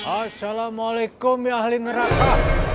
assalamualaikum ya ahli neraka